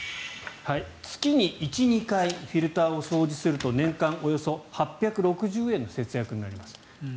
月に１２回フィルターを掃除すると年間およそ８６０円の節約になります。